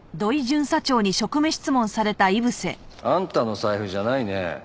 あんたの財布じゃないねえ。